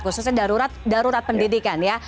khususnya darurat pendidikan ya